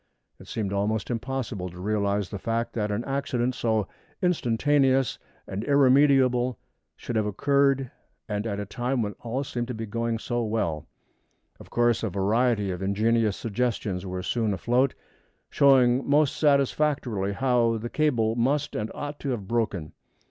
It seemed almost impossible to realize the fact that an accident so instantaneous and irremediable should have occurred, and at a time when all seemed to be going on so well. Of course a variety of ingenious suggestions were soon afloat, showing most satisfactorily how the cable must and ought to have broken.